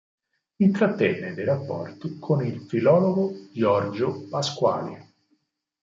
Intrattenne dei rapporti con il filologo Giorgio Pasquali.